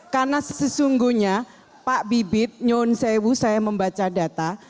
karena sesungguhnya pak bibit nyonsewu saya membaca data